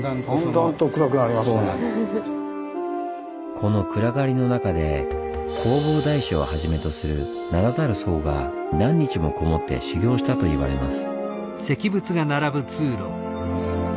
この暗がりの中で弘法大師をはじめとする名だたる僧が何日も籠もって修行したといわれます。